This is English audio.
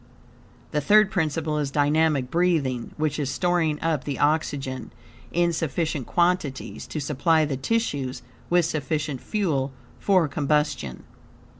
The third principle is dynamic breathing, which is storing up the oxygen in sufficient quantities, to supply the tissues with sufficient fuel, for combustion.